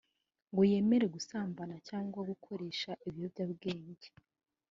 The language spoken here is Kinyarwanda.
ngo yemere gusambana cyangwa gukoresha ibiyobyabwenge